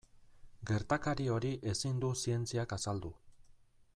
Gertakari hori ezin du zientziak azaldu.